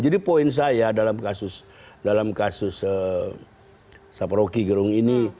jadi poin saya dalam kasus saproki gerung ini